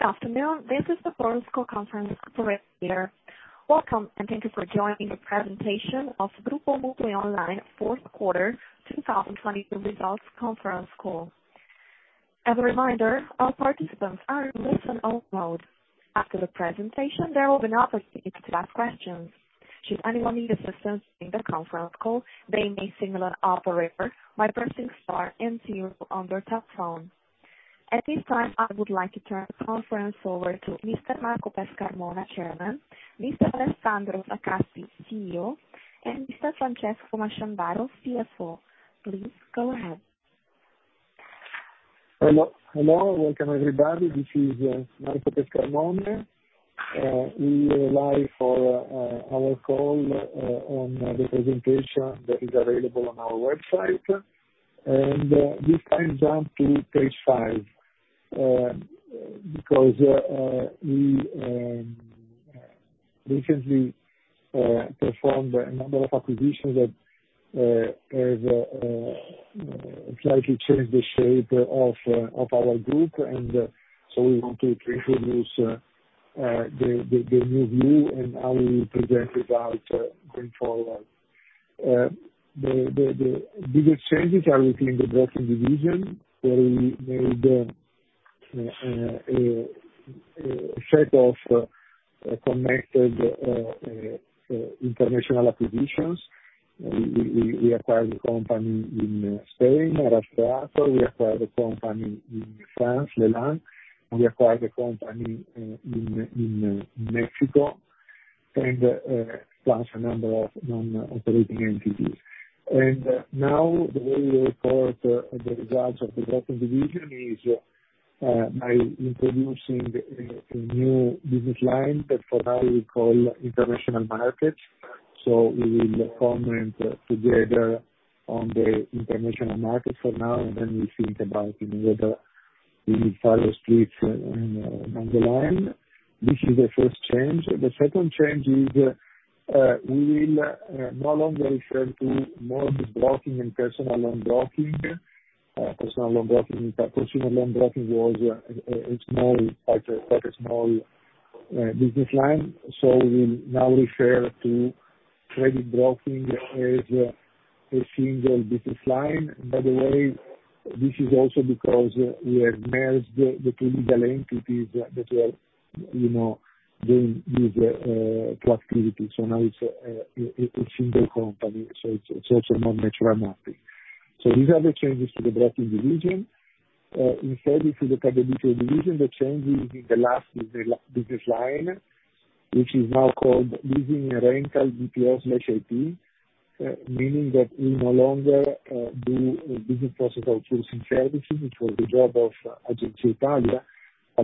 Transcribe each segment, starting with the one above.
Good afternoon. This is the conference operator. Welcome, and thank you for joining the presentation of MutuiOnline Group Q4 2022 results conference call. As a reminder, all participants are in listen only mode. After the presentation, there will be an opportunity to ask questions. Should anyone need assistance during the conference call, they may signal an operator by pressing star zero on their touch tone. At this time, I would like to turn the conference over to Mr. Marco Pescarmona, Chairman, Mr. Alessandro Fracassi, CEO, and Mr. Francesco Masciandaro, CFO. Please go ahead. Hello, hello. Welcome, everybody. This is Marco Pescarmona. We are live for our call on the presentation that is available on our website. This time jump to page five because we recently performed a number of acquisitions that has slightly changed the shape of our group. We want to introduce the new view and how we present results going forward. The biggest changes are within the broking division, where we made a set of connected international acquisitions. We acquired the company in Spain. We acquired a company in France, LeLynx. We acquired a company in Mexico and plus a number of non-operating entities. Now the way we report the results of the broking division is by introducing a new business line that for now we call international markets. We will comment together on the international market for now, and then we think about whether we need further splits, you know, down the line. This is the first change. The second change is we will no longer refer to mortgage broking and personal loan broking. In fact, personal loan broking was a small, quite a small business line. We now refer to credit broking as a single business line. By the way, this is also because we have merged the two legal entities that were, you know, doing these two activities. Now it's a single company, so it's also more natural mapping. Instead, if you look at the digital division, the change is in the last business line, which is now called Leasing Rental BPO slash IT, meaning that we no longer do business process outsourcing services, which was the job of Agenzia Italia.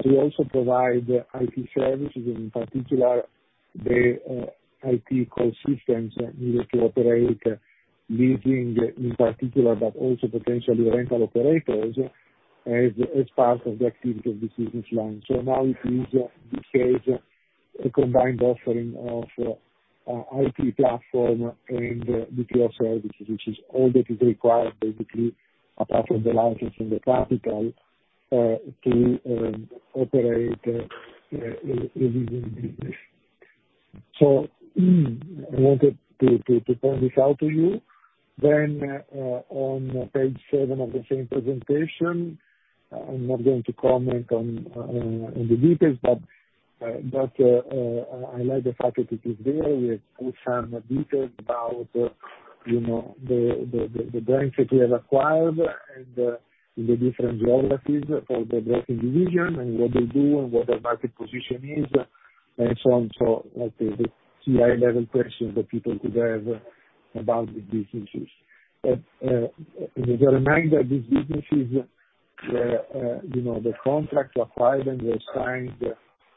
We also provide IT services, in particular the IT core systems needed to operate leasing in particular, but also potentially rental operators as part of the activity of this business line. Now it is the case, a combined offering of IT platform and BPO services, which is all that is required basically, apart from the license and the capital to operate a leasing business. I wanted to point this out to you. On page seven of the same presentation, I'm not going to comment on the details, but I like the fact that it is there. We have some details about, you know, the brands that we have acquired and the different geographies for the broking division and what they do and what their market position is, and so on. Like the CI level questions that people could have about these issues. As a reminder, these businesses, you know, the contracts acquired and were signed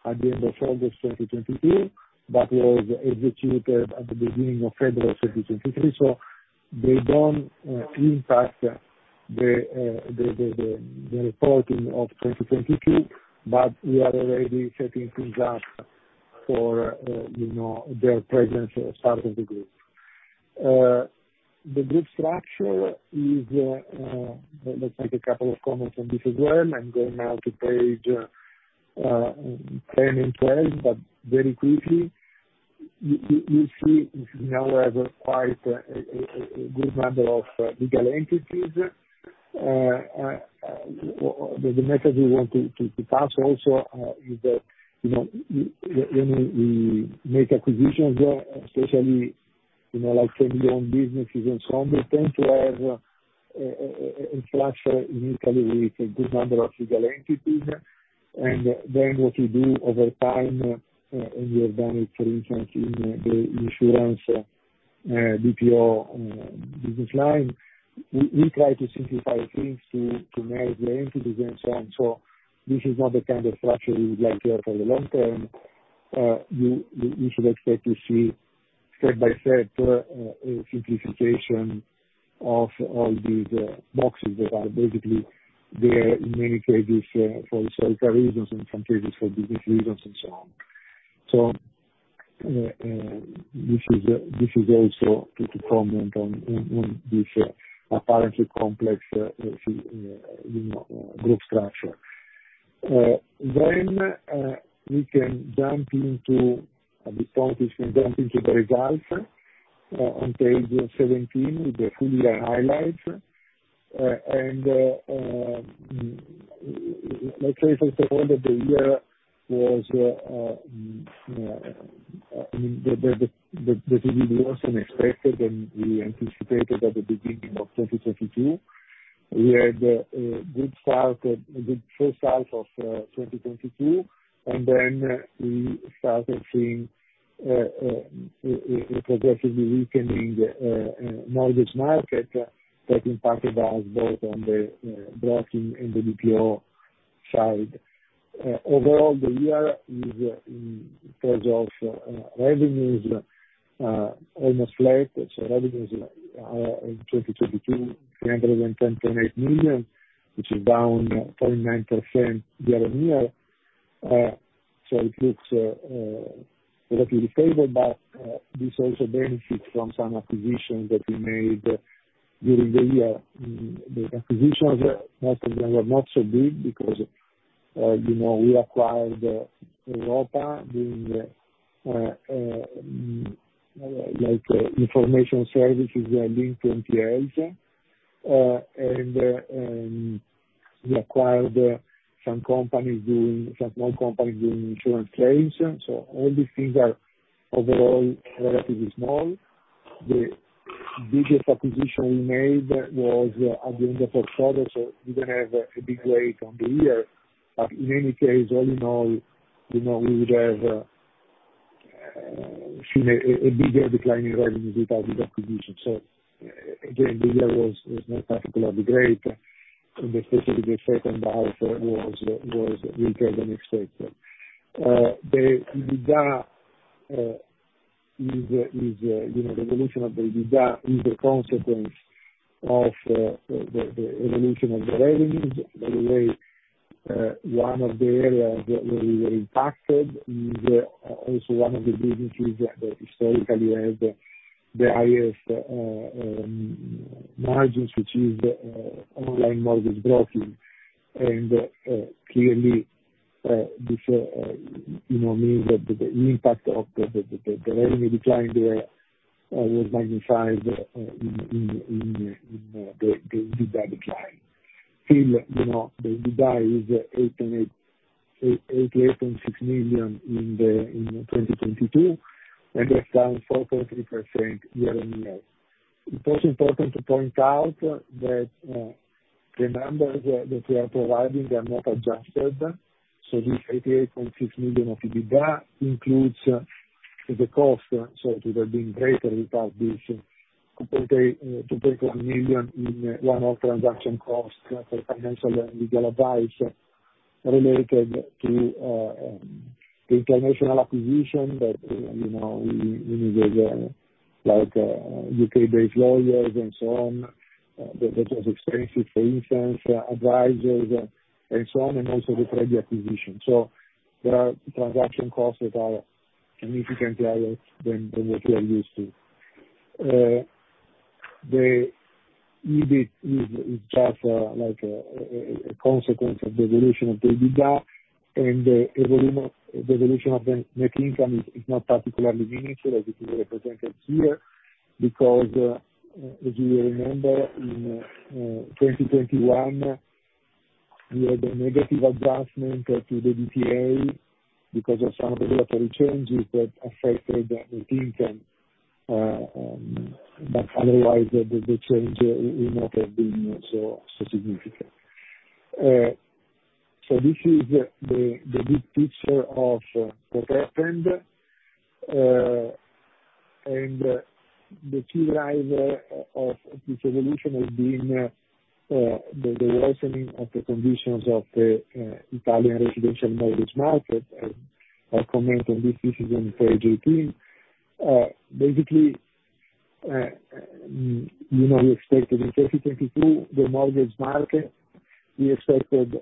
at the end of August 2022, but was executed at the beginning of February 2023. They don't impact the reporting of 2022, but we are already setting things up for, you know, their presence as part of the group. The group structure is. Let's make a couple of comments on this as well. I'm going now to page 10 and 12, but very quickly. You see we now have acquired a good number of legal entities. The message we want to pass also is that, you know, when we make acquisitions, especially, you know, like family-owned businesses and so on, we tend to have a structure, uniquely with a good number of legal entities. Then what we do over time, and we have done it, for instance, in the insurance BPO business line, we try to simplify things to manage the entities and so on. This is not the kind of structure we would like to have for the long term. You should expect to see step by step simplification of all these boxes that are basically there in many cases for historical reasons and some cases for business reasons and so on. This is also to comment on this apparently complex, you know, group structure. At this point is we jump into the results on page 17, with the full year highlights. Like I said before, that the year was unexpected, and we anticipated at the beginning of 2022. We had a good H1 2022, and then we started seeing a progressively weakening mortgage market that impacted us both on the broking and the BPO side. Overall, the year is in terms of revenues almost flat. Revenues in 2022, 310.8 million, which is down 49% year-on-year. It looks relatively favorable. This also benefits from some acquisitions that we made during the year. The acquisitions most of them were not so big because, you know, we acquired Europa during the information services linked to NPLs. We acquired some small companies doing insurance claims. All these things are overall relatively small. The biggest acquisition we made was at the end of October, so it didn't have a big weight on the year. In any case, all in all, you know, we would have seen a bigger decline in revenues without the acquisition. Again, the year was not particularly great. The specific effect on the house was weaker than expected. The EBITDA is, you know, the evolution of the EBITDA is a consequence of the evolution of the revenues. By the way, one of the areas that we were impacted is also one of the businesses that historically had the highest margins, which is online mortgage broking. Clearly, this, you know, means that the impact of the revenue decline there was magnified in the EBITDA decline. Still, you know, the EBITDA is 8.6 million in 2022, and that's down 4.3% year-on-year. It's also important to point out that the numbers that we are providing are not adjusted. This 8.6 million of EBITDA includes the cost, so it would have been greater without this 24 million in one-off transaction costs for financial and legal advice related to the international acquisition that, you know, we needed like UK-based lawyers and so on. That was expensive for instance, advisors and so on, and also the credit acquisition. There are transaction costs that are significantly higher than what we are used to. The EBIT is just like a consequence of the evolution of the EBITDA. The evolution of the net income is not particularly meaningful as it is represented here because as you remember, in 2021, we had a negative adjustment to the DTA because of some regulatory changes that affected the net income. Otherwise the change would not have been so significant. This is the big picture of what happened. The key driver of this evolution has been the worsening of the conditions of the Italian residential mortgage market. I'll comment on this. This is on page 18. Basically, you know, we expected in 2022 the mortgage market, we expected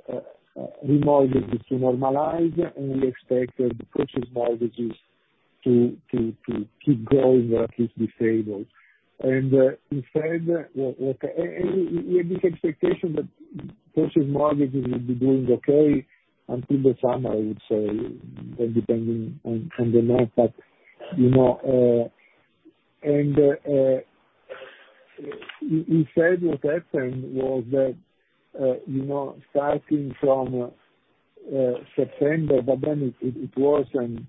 remortgages to normalize, and we expected purchase mortgages to keep growing or at least be stable. Instead, like, we had this expectation that purchase mortgages would be doing okay until the summer, I would say, well, depending on the month. You know, we said what happened was that, you know, starting from September, but then it worsened.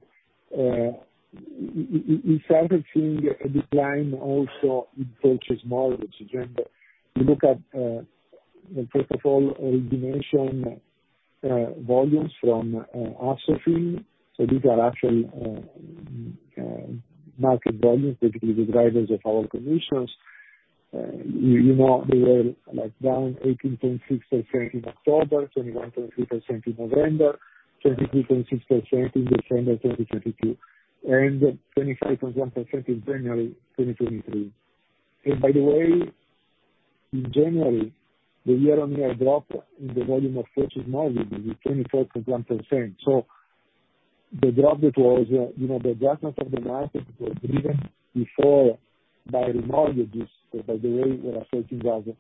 We started seeing a decline also in purchase mortgages. You look at, first of all, origination volumes from Assofin. These are actually market volumes, which will be the drivers of our commissions. You know, they were, like, down 18.6% in October, 21.3% in November, 23.6% in December 2022, and 25.1% in January 2023. In January, the year-on-year drop in the volume of purchase mortgages was 24.1%. The drop that was, you know, the adjustment of the market was driven before by remortgages. By the way, we are searching that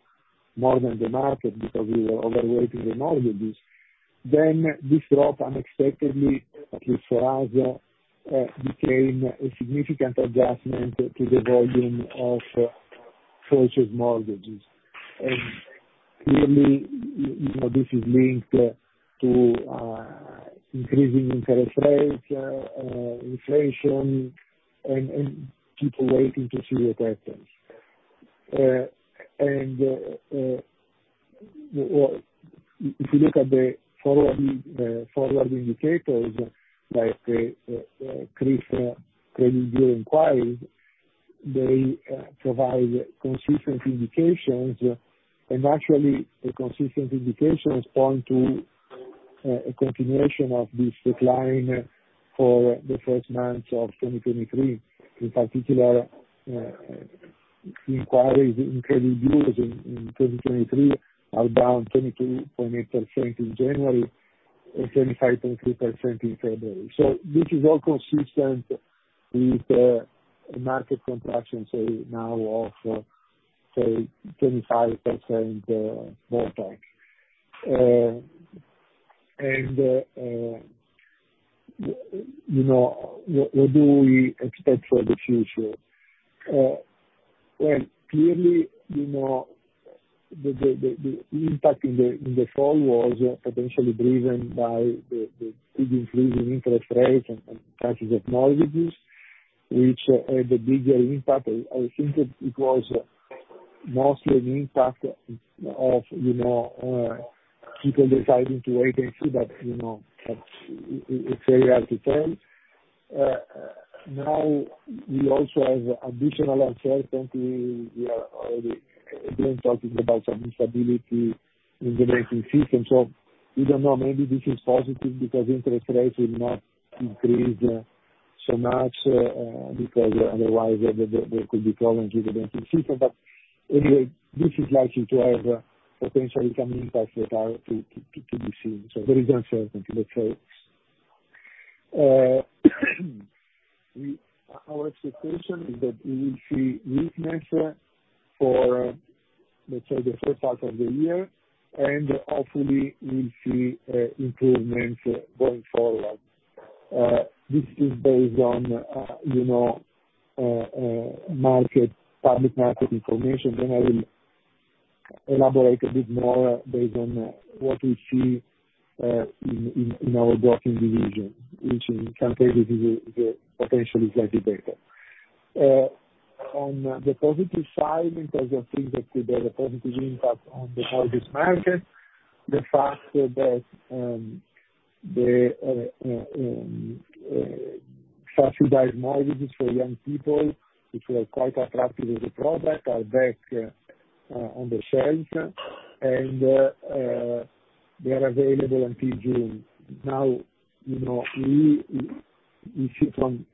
more than the market because we were overweighting remortgages. This drop unexpectedly, at least for us, became a significant adjustment to the volume of purchase mortgages. Clearly, you know, this is linked to increasing interest rates, inflation and people waiting to see what happens. Well, if you look at the forward, the forward indicators like CRIF credit bureau inquiries, they provide consistent indications, and naturally, the consistent indications point to a continuation of this decline for the first months of 2023. In particular, inquiries in credit bureaus in 2023 are down 22.8% in January and 25.3% in February. This is all consistent with the market contraction, say, now of, say, 25% mortgage. You know, what do we expect for the future? Well, clearly, you know, the impact in the fall was potentially driven by the big increase in interest rates and purchase of mortgages, which had the bigger impact. I think it was mostly an impact of, you know, people deciding to wait and see, but, you know, it's very hard to tell. Now we also have additional uncertainty. We are already, again, talking about some instability in the banking system, so we don't know. Maybe this is positive because interest rates will not increase so much, because otherwise there could be problems with the banking system. Anyway, this is likely to have a potentially some impact that are to be seen. There is uncertainty, let's say. Our expectation is that we will see weakness for, let's say, the H1 of the year. Hopefully we'll see improvements going forward. This is based on, you know, market, public market information. I will elaborate a bit more based on what we see in our broking division, which in some cases is potentially slightly better. On the positive side, in terms of things that could have a positive impact on the mortgages market, the fact that the subsidy mortgages for young people, which were quite attractive as a product, are back on the shelves, and they are available until June. you know, we see from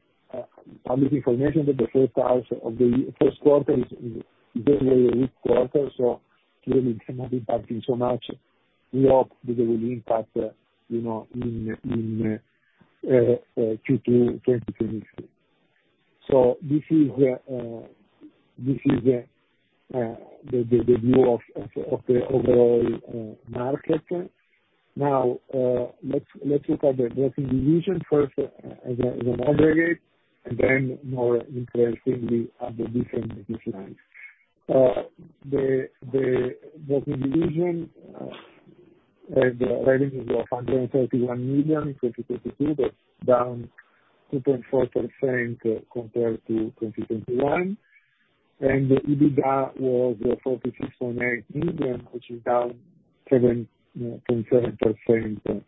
public information that the H1Q1 is usually a weak quarter, so clearly it cannot impact it so much. We hope that they will impact, you know, in Q2 2023. This is the view of the overall market. let's look at the broking division first as an aggregate, and then more interestingly at the different divisions. The broking division had revenues of 131 million in 2022. That's down 2.4% compared to 2021. The EBITDA was 46.8 million, which is down 7.7%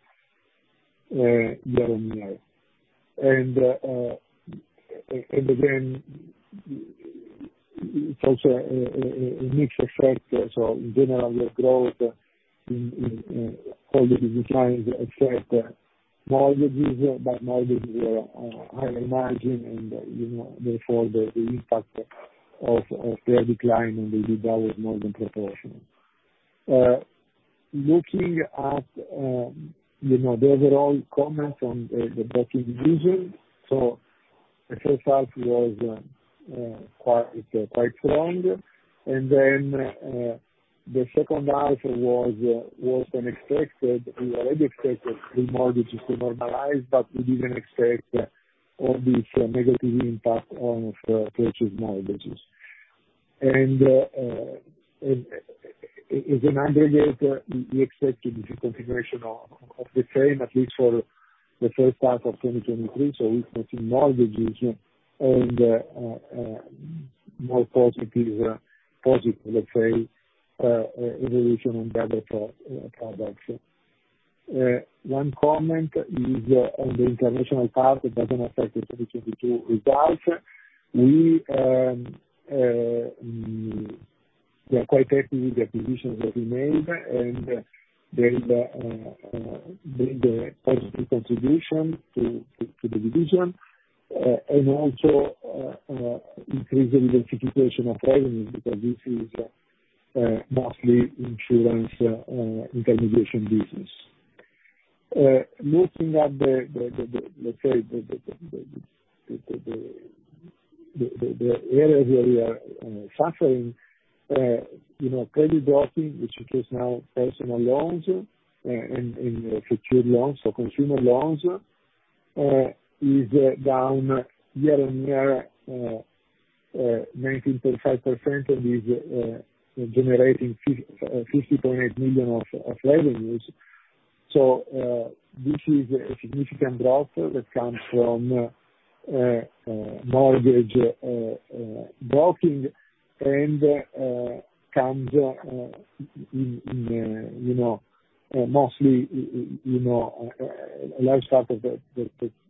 year-on-year. again, it's also a mixed effect. In general, with growth in all the designs affect mortgages, but mortgages are higher margin and, you know, therefore the impact of their decline on the EBITDA was more than proportional. Looking at, you know, the overall comments on the broking division. The H1 was quite strong. Then the H2 was unexpected. We already expected remortgages to normalize, but we didn't expect all this negative impact on purchase mortgages. As an aggregate, we expect to see continuation of the trend, at least for the H1 2023. So weak purchase mortgages and more positive let's say evolution on better products. One comment is on the international part. It doesn't affect the 2022 results. We are quite happy with the acquisitions that we made, and they've made a positive contribution to the division. Also increasing diversification of revenues, because this is mostly insurance intermediation business. Looking at the let's say the area where we are suffering, you know, credit broking, which is now personal loans and secured loans or consumer loans, is down year-on-year, 19.5% and is generating 50.8 million of revenues. This is a significant drop that comes from mortgage broking and comes in, you know, mostly, you know, a large part of the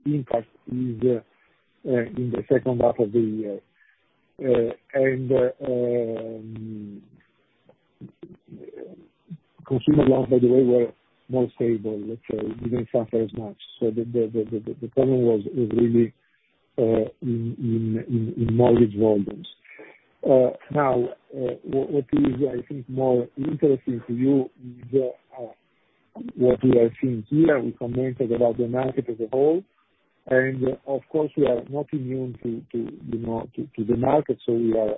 impact is in the H2 of the year. Consumer loans, by the way, were more stable, let's say, didn't suffer as much. The problem was, is really in mortgage volumes. Now, what is, I think, more interesting to you is what we are seeing here, we commented about the market as a whole, and of course, we are not immune to, you know, to the market, we are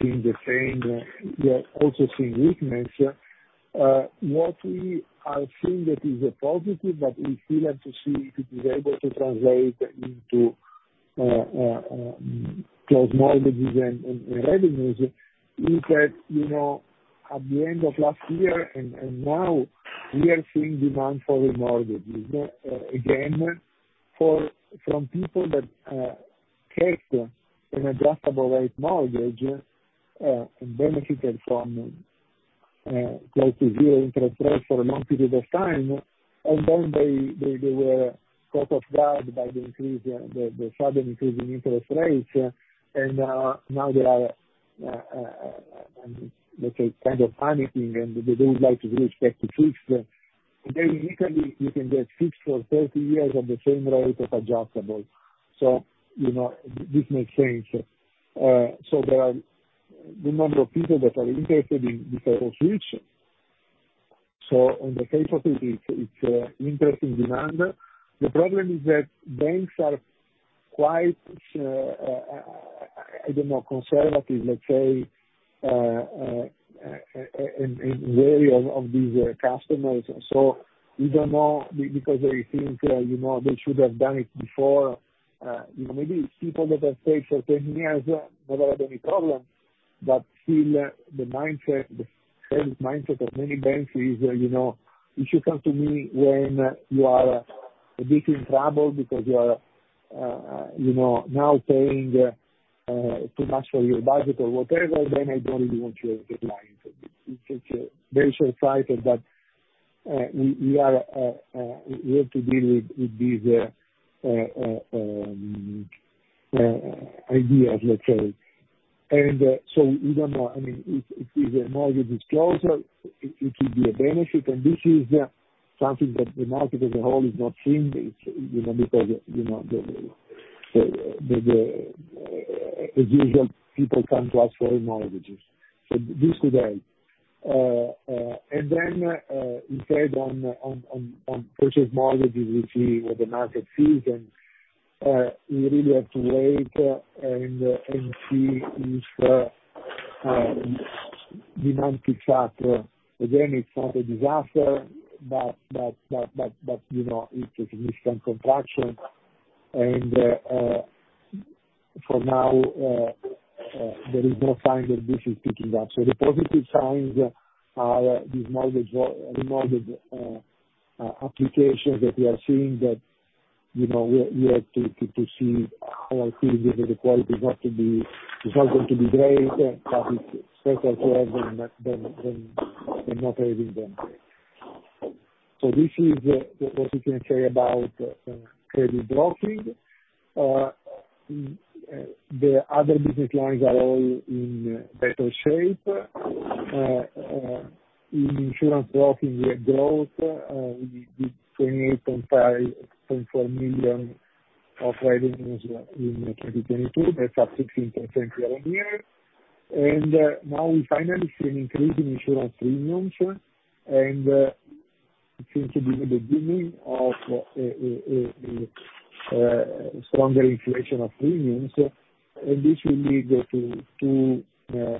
seeing the same, we are also seeing weakness. What we are seeing that is a positive, but we still have to see if it is able to translate into close mortgages and revenues, is that, you know, at the end of last year and now we are seeing demand for remortgages again, from people that take an adjustable rate mortgage and benefited from close to zero interest rates for a long period of time. Then they were caught off guard by the increase, the sudden increase in interest rates. Now they are, let's say, kind of panicking, and they would like to go back to fixed. Very luckily, you can get fixed for 30 years at the same rate of adjustable. You know, this makes sense. There are good number of people that are interested in such a switch. In the case of it's, it's interesting demand. The problem is that banks are quite, I don't know, conservative, let's say, in worry of these customers. We don't know because they think, you know, they should have done it before. You know, maybe people that have stayed for 10 years never had any problem. Still the mindset, the current mindset of many banks is, you know, if you come to me when you are a bit in trouble because you are, you know, now paying too much for your budget or whatever, then I don't really want your business. It's very surprising, but we are we have to deal with these ideas, let's say. We don't know. I mean, if the mortgage is closer, it could be a benefit. This is something that the market as a whole is not seeing. It's, you know, because, you know, the as usual, people come to us for remortgages. So this is that. Instead on purchase mortgages, we see what the market sees, and we really have to wait and see if demand picks up. Again, it's not a disaster, but, you know, it's a significant contraction. For now, there is no sign that this is picking up. The positive signs are these mortgage remortgage applications that we are seeing that, you know, we have to see how are things, because the quality is not going to be, it's not going to be great, but it's better for us than, than not having them. This is what we can say about credit broking. The other business lines are all in better shape. In insurance broking, we have growth. We did 28.54 million of revenues in 2022. That's up 16% year-on-year. Now we finally see an increase in insurance premiums, and it seems to be the beginning of a stronger inflation of premiums. This will lead to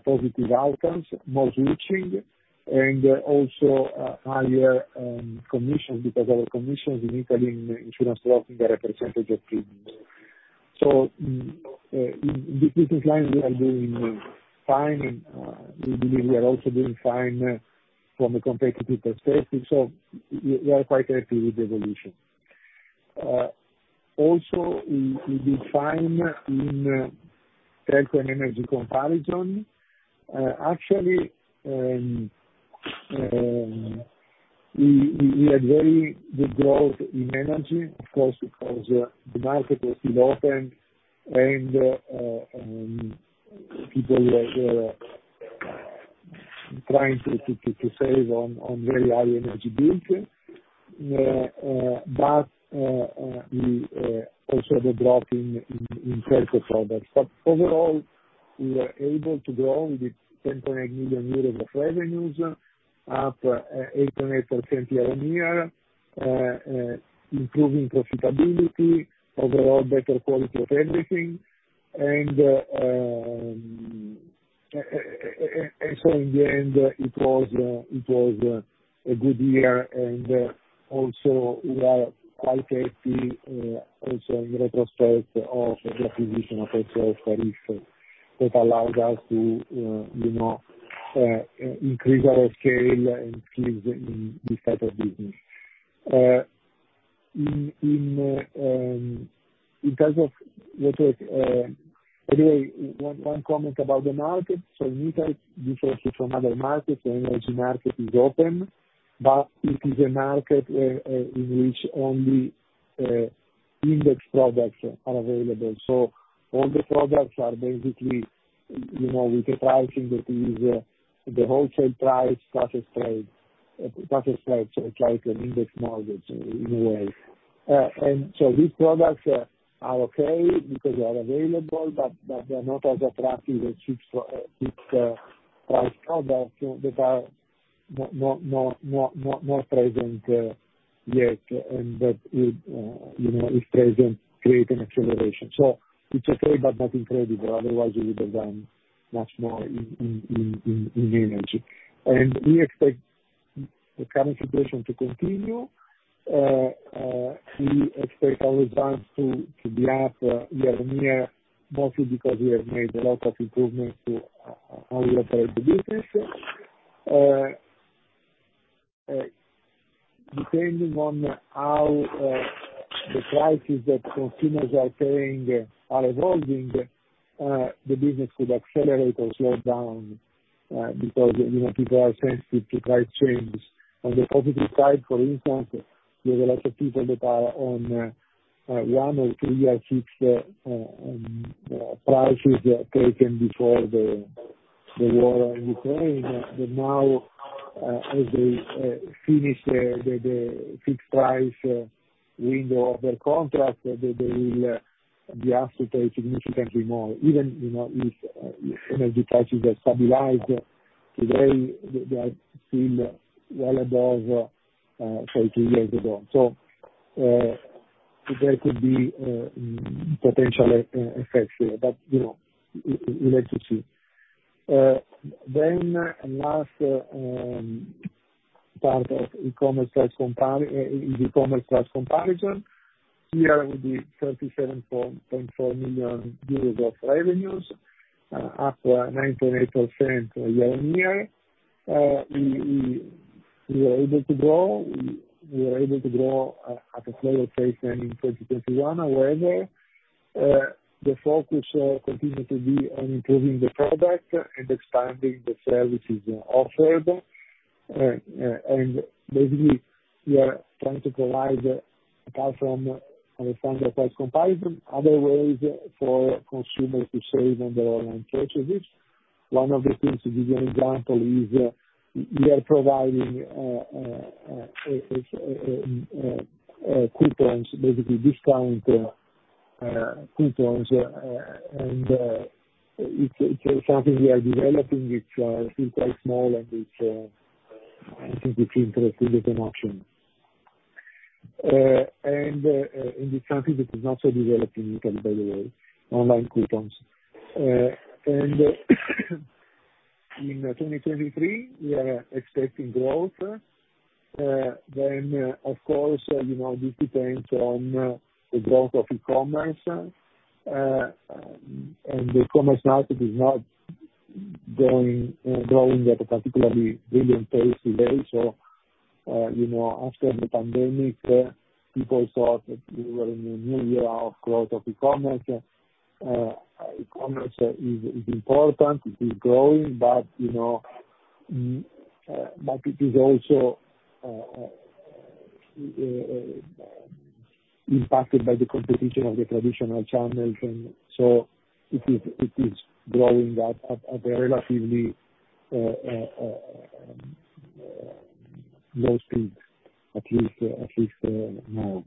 positive outcomes, more reaching and also higher commissions, because our commissions in Italy in insurance broking are a percentage of premium. In business lines, we are doing fine, and we believe we are also doing fine from a competitive perspective. We are quite happy with the evolution. Also we did fine in telco and energy comparison. Actually, we had very good growth in energy, of course, because the market was still open and people were trying to save on very high energy bill. We also the drop in sales of products. Overall, we were able to grow with 10.8 million euros of revenues, up 8.8% year-on-year, improving profitability, overall better quality of everything. So in the end it was, it was a good year and also we are quite happy also in retrospect of the acquisition of HO for if it allows us to, you know, increase our scale and increase in this type of business. In, in terms of let's say, anyway, one comment about the market. In Italy, differently from other markets, the energy market is open, but it is a market in which only index products are available. All the products are basically, you know, with the pricing that is the wholesale price plus a trade, plus a trade, so it's like an index mortgage in a way. These products are okay because they are available, but they're not as attractive as fixed price products, you know, that are more present yet, and that would, you know, if present, create an acceleration. It's okay, but nothing incredible. Otherwise we would have done much more in energy. We expect the current situation to continue. We expect our results to be up year-on-year, mostly because we have made a lot of improvements to how we operate the business. Depending on how the prices that consumers are paying are evolving, the business could accelerate or slow down, because, you know, people are sensitive to price changes. On the positive side, for instance, there are a lot of people that are on one or two-year fixed prices they had taken before the war in Ukraine, that now, as they finish the fixed price window of their contract, they will be asked to pay significantly more. Even, you know, if energy prices have stabilized today, they are still well above, say, two years ago. There could be potential effects here, but, you know, we'd like to see. Last, part of e-commerce price comparison, here it would be 37.4 million euros of revenues, up 9.8% year-on-year. We were able to grow. We were able to grow at a slower pace than in 2021, however, the focus continued to be on improving the product and expanding the services offered. Basically, we are trying to provide, apart from an expanded price comparison, other ways for consumers to save on their online purchases. One of the things, to give you an example, is, we are providing coupons, basically discount coupons, and it's something we are developing, which is quite small and it's I think it's interesting as an option. It's something that is not so developed in Italy, by the way, online coupons. In 2023, we are expecting growth. Of course, you know, this depends on the growth of e-commerce. The e-commerce market is not growing at a particularly brilliant pace today. You know, after the pandemic, people thought that we were in a new era of growth of e-commerce. e-commerce is important, it is growing but, you know, but it is also impacted by the competition of the traditional channels, and so it is growing at a relatively low speed, at least for now.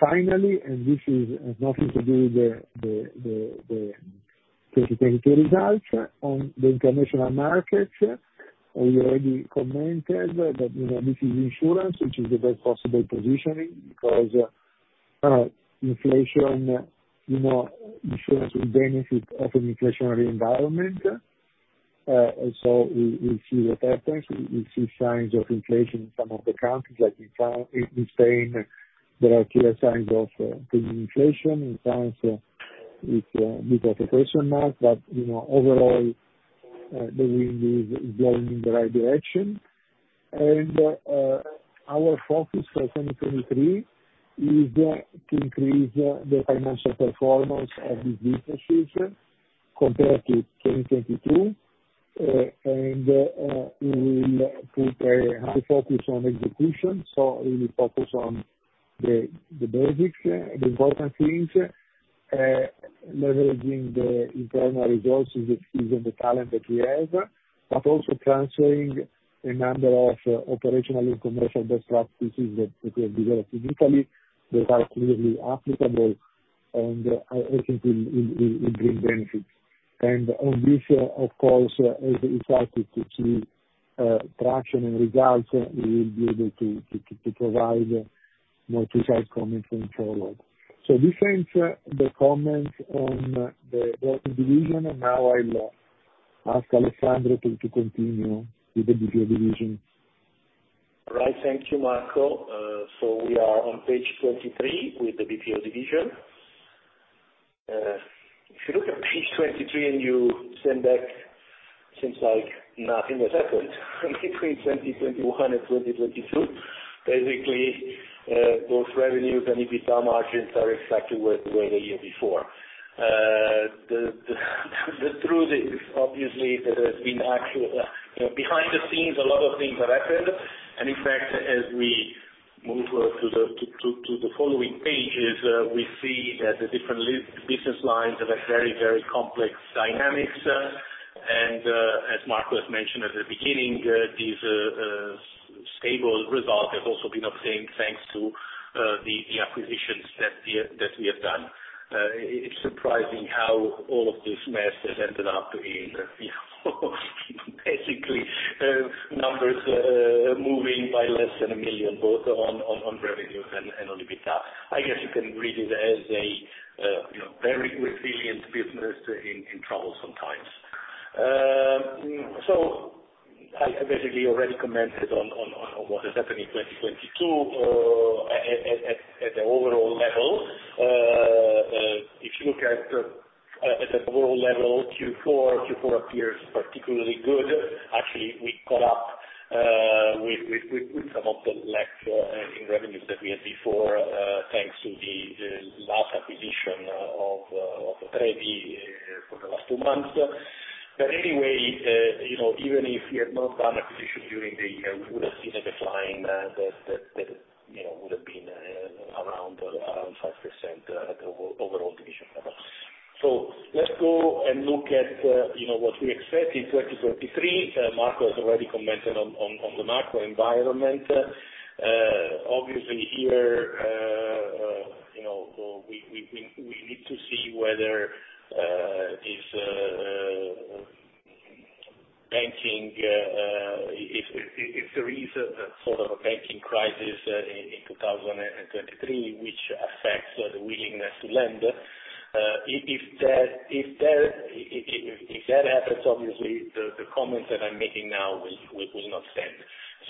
Finally, this is, has nothing to do with the 2022 results on the international markets. We already commented, you know, this is insurance, which is a very possible positioning because inflation, you know, insurance will benefit off an inflationary environment. We'll see what happens. We see signs of inflation in some of the countries, like in in Spain, there are clear signs of growing inflation. In France, it needs a question mark, but, you know, overall, the wind is blowing in the right direction. Our focus for 2023 is to increase the financial performance of these businesses compared to 2022. We will put a high focus on execution, so we will focus on the basics, the important things. Leveraging the internal resources of the talent that we have, but also transferring a number of operational and commercial best practices that we have developed in Italy that are clearly applicable and I think will bring benefits. On this, of course, as we start to see traction and results, we will be able to provide more precise comment going forward. This ends, the comments on the working division, and now I will ask Alessandro to continue with the BPO division. All right. Thank you, Marco. We are on page 23 with the BPO division. If you look at page 23 and you stand back, seems like nothing has happened between 2021 and 2022. Basically, both revenues and EBITDA margins are exactly where they were the year before. The truth is obviously there has been actual, you know, behind the scenes a lot of things have happened. In fact, as we move to the following pages, we see that the different business lines have a very complex dynamics. As Marco has mentioned at the beginning, these stable results have also been obtained thanks to the acquisitions that we have done. It's surprising how all of this mess has ended up in, you know, basically, numbers moving by less than 1 million, both on revenues and on EBITDA. I guess you can read it as a, you know, very resilient business in troublesome times. So I basically already commented on what has happened in 2022 at the overall level. If you look at the overall level, Q4 appears particularly good. Actually, we caught up with some of the lag in revenues that we had before, thanks to the last acquisition of Trebi Generalconsult for the last 2 months. Anyway, you know, even if we had not done acquisition during the year, we would have seen a decline that, you know, would have been around 5% at the overall division level. Let's go and look at, you know what we expect in 2023. Marco has already commented on the macro environment. Obviously here, you know, we need to see whether if banking, if there is a sort of a banking crisis in 2023 which affects the willingness to lend. If that happens, obviously the comments that I'm making now will not stand.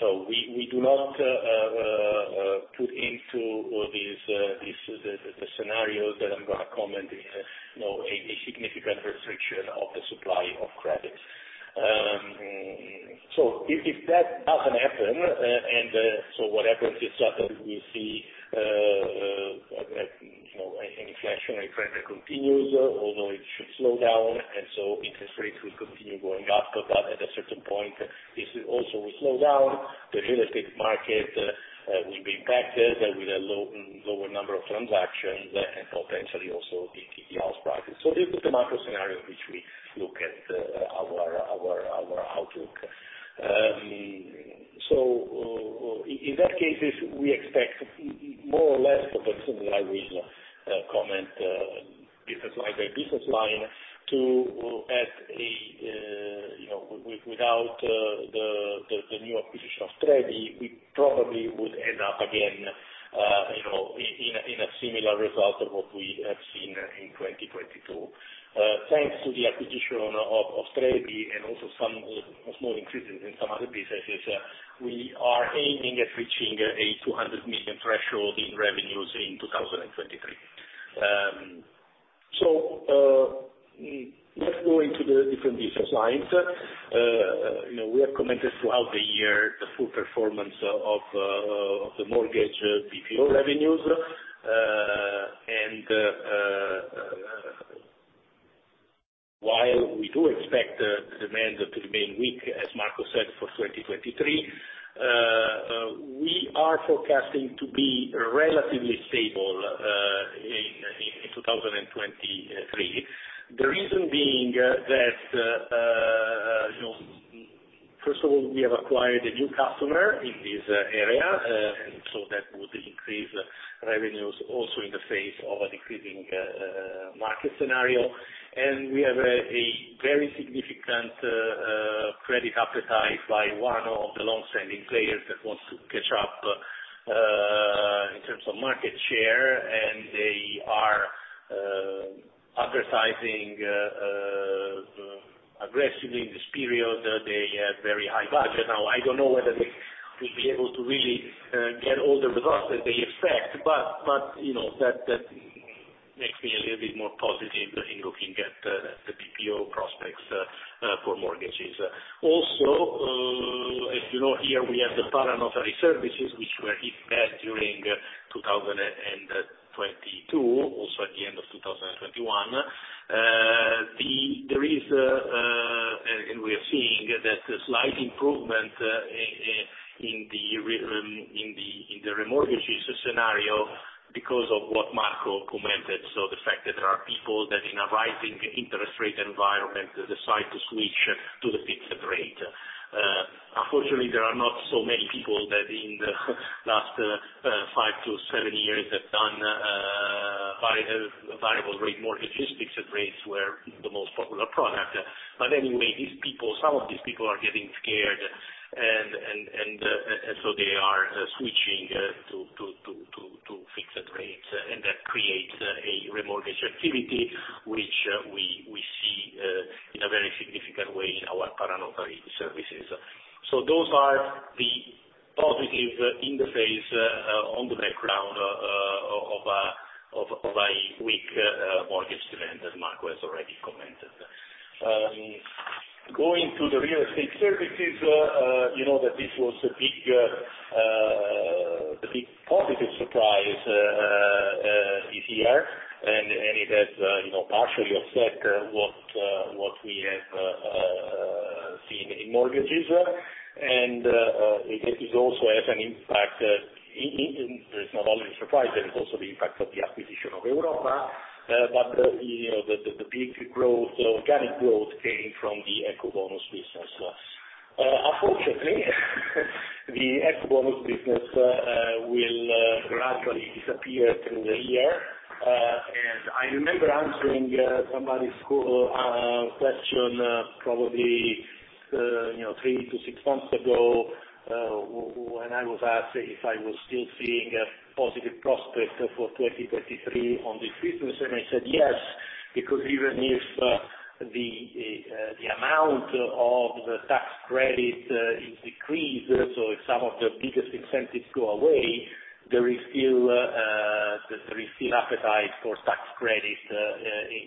We do not put into all these, the scenarios that I'm gonna comment, you know, a significant restriction of the supply of credit. If that doesn't happen, and so what happens is that we see, you know, an inflationary trend continues, although it should slow down, and so interest rates will continue going up, but at a certain point, this also will slow down. The real estate market will be impacted with a lower number of transactions and potentially also the house prices. This is the macro scenario which we look at, our outlook. In that cases, we expect more or less a similar reason, comment, business line by business line to have a, you know, without the new acquisition of Trevi, we probably would end up again, you know, in a similar result of what we have seen in 2022. Thanks to the acquisition of Trevi and also some small increases in some other businesses, we are aiming at reaching a 200 million threshold in revenues in 2023. Let's go into the different business lines. You know, we have commented throughout the year the full performance of the mortgage BPO revenues. While we do expect demand to remain weak, as Marco said, for 2023, we are forecasting to be relatively stable in 2023. The reason being that, you know, first of all, we have acquired a new customer in this area, and so that would increase revenues also in the face of a decreasing market scenario. We have a very significant credit appetite by one of the long-standing players that wants to catch up in terms of market share, and they are advertising aggressively in this period. They have very high budget. I don't know whether they will be able to really get all the results that they expect, but, you know, that makes me a little bit more positive in looking at the BPO prospects for mortgages. Also, as you know, here we have the para-notary services which were hit bad during 2022, also at the end of 2021. That's a slight improvement in the remortgages scenario because of what Marco commented. The fact that there are people that in a rising interest rate environment decide to switch to the fixed rate. Unfortunately, there are not so many people that in the last five to seven years have done variable rate mortgages. Fixed rates were the most popular product. Anyway, these people, some of these people are getting scared and so they are switching to fixed rates, and that creates a remortgage activity which we see in a very significant way in our para-notary services. Those are the positives in the face on the background of a weak mortgage demand, as Marco has already commented. Going to the real estate services, you know that this was the big positive surprise ECR. It has, you know, partially offset what we have seen in mortgages. It is also has an impact. It's not only surprise, there is also the impact of the acquisition of Europa. You know, the big growth, the organic growth came from the Ecobonus business. Unfortunately, the Ecobonus business will gradually disappear through the year. I remember answering somebody's call, question, probably, you know, 3-6 months ago, when I was asked if I was still seeing a positive prospect for 2023 on this business, and I said yes. Even if the amount of the tax credit is decreased, so if some of the biggest incentives go away, there is still appetite for tax credit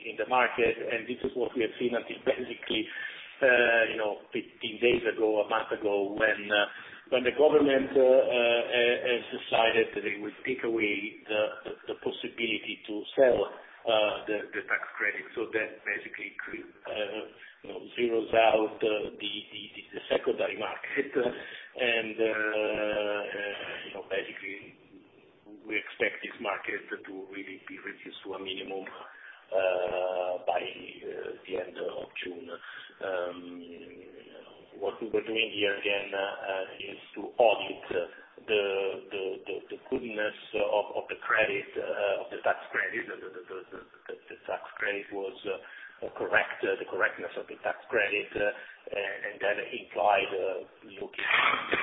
in the market. This is what we have seen until basically, you know, 15 days ago, a month ago, when the government has decided that they would take away the possibility to sell the tax credit. That basically you know, zeros out the secondary market. You know, basically we expect this market to really be reduced to a minimum by the end of June. What we were doing here, again, is to audit the goodness of the credit, of the tax credit. The tax credit was correct, the correctness of the tax credit. That implied, looking at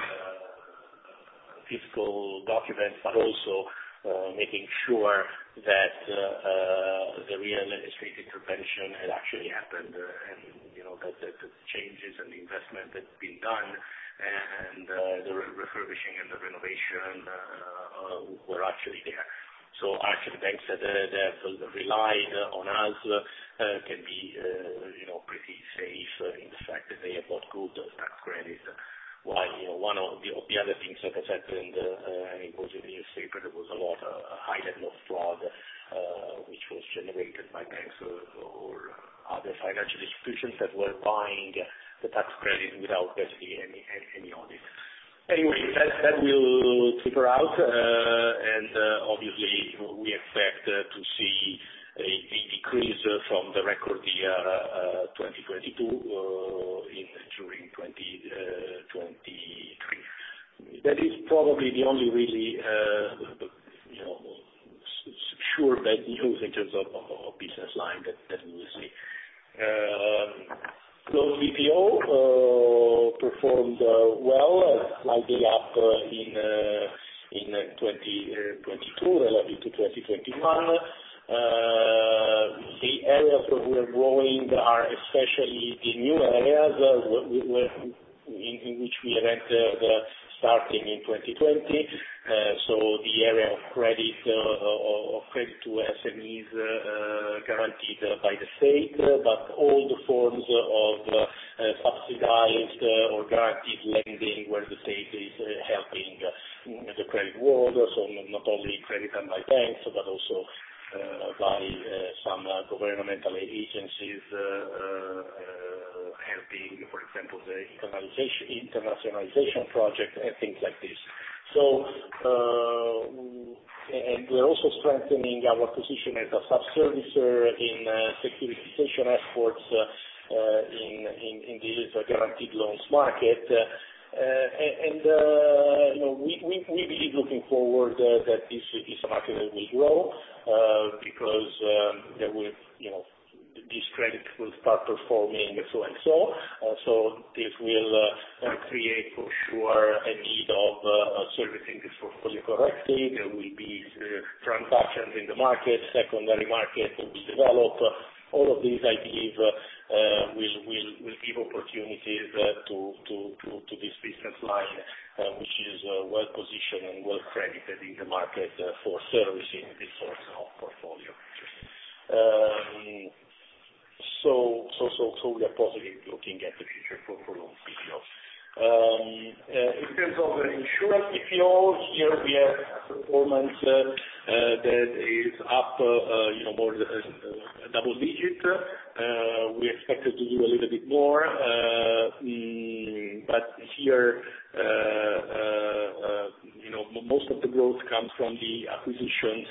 fiscal documents, but also making sure that the real administrative intervention had actually happened and, you know, that the changes and the investment that's been done and the re-refurbishing and the renovation were actually there. Actually banks that relied on us can be, you know, pretty safe in the fact that they have got good tax credit. You know, one of the other things that has happened, and it was in the newspaper, there was a lot, a high level of fraud, which was generated by banks or other financial institutions that were buying the tax credit without basically any audit. Anyway, that will taper out. Obviously we expect to see a decrease from the record year 2022 in during 2023. That is probably the only really, you know, sure bad news in terms of business line that we will see. BPO performed well, slightly up in 2022 relative to 2021. The areas where we are growing are especially the new areas in which we entered starting in 2020. The area of credit, of credit to SMEs guaranteed by the state. All the forms of subsidized or guaranteed lending where the state is helping the credit world. Not only credited by banks, but also by some governmental agencies helping, for example, the internationalization project and things like this. And we're also strengthening our position as a sub-servicer in securitization efforts in this guaranteed loans market. And, and, you know, we, we believe looking forward that this market will grow because there will, you know, this credit will start performing so and so. So this will create for sure a need of servicing this portfolio correctly. There will be transactions in the market, secondary market will be developed. All of these, I believe, will give opportunities to this business line, which is well-positioned and well credited in the market for servicing this sort of portfolio. We are positive looking at the future for loans BPO. In terms of the insurance if you know, here we have performance that is up, you know, more than double digit. We expected to do a little bit more, here, you know, most of the growth comes from the acquisitions.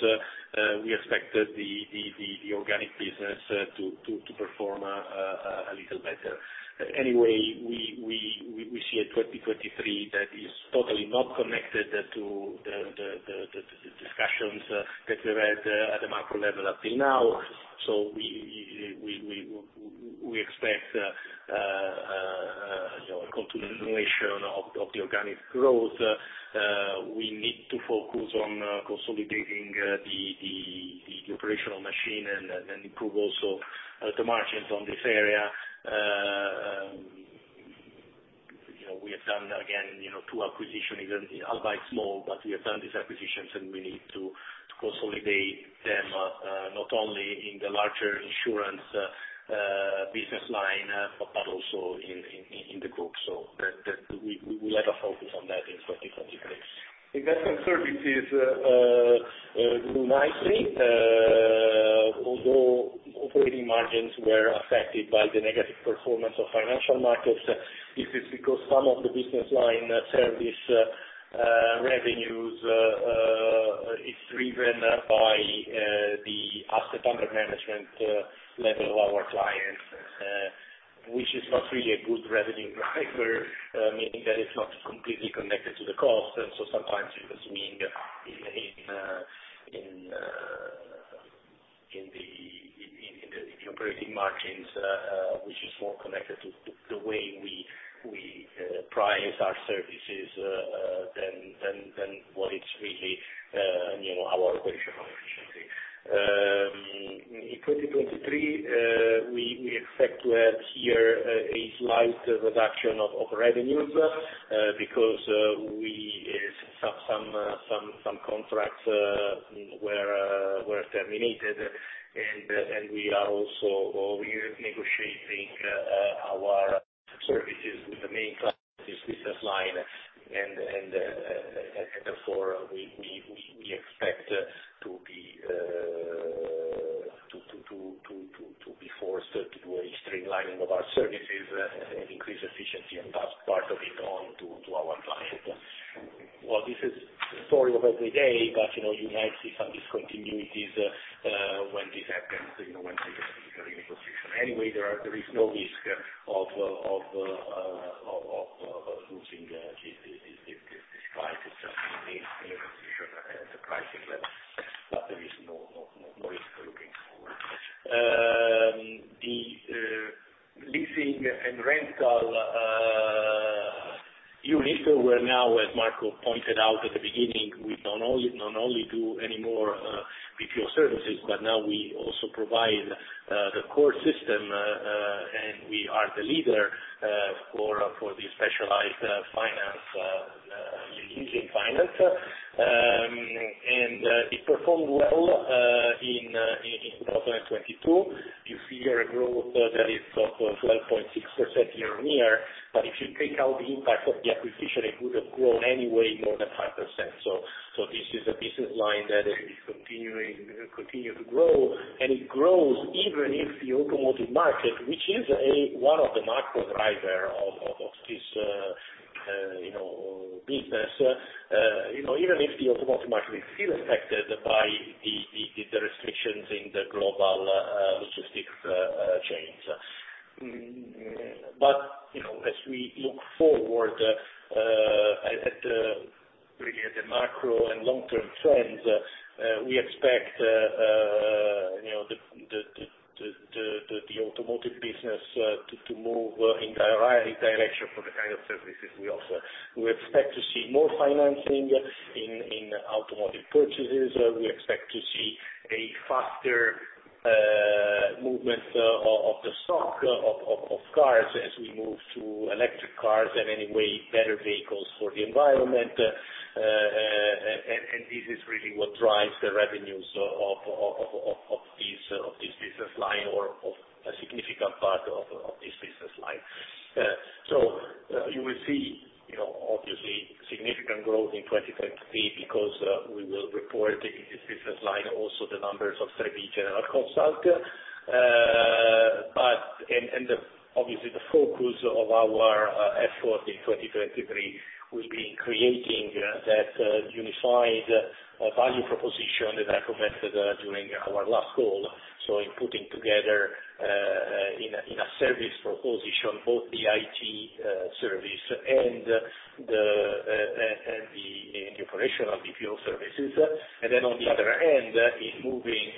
We expected the organic business to perform a little better. Anyway, we see a 2023 that is totally not connected to the discussions that we had at the macro level up till now. We expect, you know, continuation of the organic growth. We need to focus on consolidating the operational machine and improve also the margins on this area. You know, we have done, you know, two acquisitions, even albeit small, but we have done these acquisitions, and we need to consolidate them not only in the larger insurance business line, but also in the group. That we will have a focus on that in 2023. Investment services do nicely, although operating margins were affected by the negative performance of financial markets. This is because some of the business line service revenues is driven by the asset under management level of our clients, which is not really a good revenue driver, meaning that it's not completely connected to the cost. Sometimes you're consuming in the operating margins, which is more connected to the way we price our services than what it's really, you know, our operational efficiency. In 2023, we expect to have here a slight reduction of revenues because some contracts were terminated. We're negotiating our services with the main clients in this business line. Therefore, we expect to be forced to do a streamlining of our services, increase efficiency and pass part of it on to our clients. Well, this is story of every day, but, you know, you might see some discontinuities when this happens, you know, when we get into negotiation. Anyway, there is no risk of losing these clients. It's just a renegotiation at the pricing level, but there is no risk looking forward. Lets say in rental unit, where now, as Marco pointed out at the beginning, we do not only BPO services, but now we also provide the core system, and we are the leader for the specialized finance leasing finance. It performed well in 2022. You see a growth that is of 12.6% year-on-year, but if you take out the impact of the acquisition, it would have grown anyway more than 5%. This is a business line that is continue to grow It grows even if the automotive market, which is one of the macro driver of this, you know, business, you know, even if the automotive market is still affected by the restrictions in the global logistic chains. You know, as we look forward, really at the macro and long-term trends, we expect, you know, the automotive business to move in the right direction for the kind of services we offer. We expect to see more financing in automotive purchases. We expect to see a faster movement of the stock of cars as we move to electric cars and anyway better vehicles for the environment. This is really what drives the revenues of this, of this business line or of a significant part of this business line. You will see, you know, obviously significant growth in 2023 because we will report in this business line also the numbers of Trebì Generalconsult. The, obviously the focus of our effort in 2023 will be in creating that unified value proposition that I commented during our last call. In putting together in a service proposition, both the IT service and the operational BPO services. Then on the other end, in moving,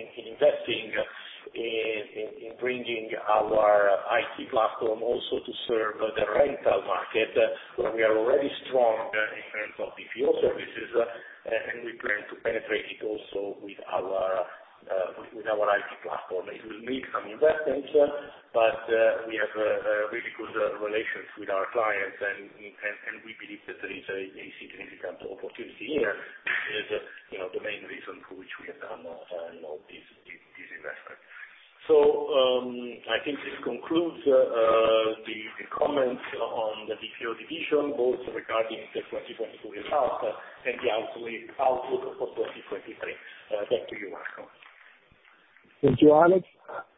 in investing, in bringing our IT platform also to serve the rental market, where we are already strong in terms of BPO services, and we plan to penetrate it also with our IT platform. It will need some investments, but we have really good relations with our clients. We believe that there is a significant opportunity here. you know, the main reason for which we have done all this. I think this concludes, the comments on the BPO division, both regarding the 2022 results and the outlook for 2023. Back to you, Marco. Thank you, Alex.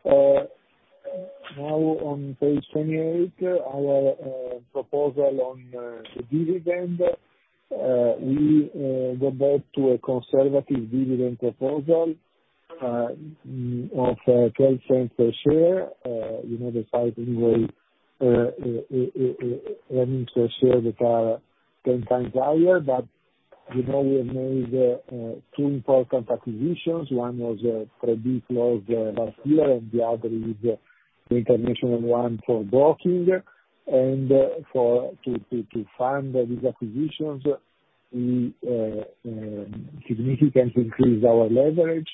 Now on page 28, our proposal on the dividend. We go back to a conservative dividend proposal of 0.10 a share. You know, despite anyway, earnings per share that are 10 times higher, but, you know, we have made two important acquisitions. One was Crediclose last year, and the other is the international one for blocking and to fund these acquisitions, we significantly increased our leverage.